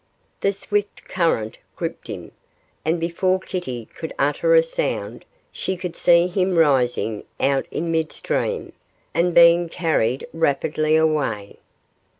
The swift current gripped him, and before Kitty could utter a sound, she could see him rising out in midstream, and being carried rapidly away.